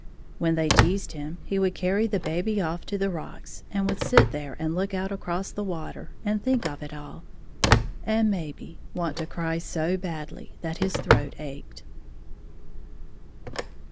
When they teased him, he would carry the baby off to the rocks and would sit there and look out across the water and think of it all, and maybe want to cry so badly that his throat ached.